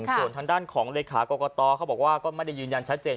ส่วนทางด้านของเลขากรกตเขาบอกว่าก็ไม่ได้ยืนยันชัดเจน